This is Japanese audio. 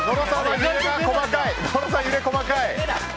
野呂さん、揺れが細かい。